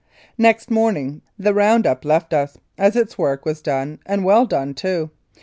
Next morning the round up left us, as its work was done, and well done, too.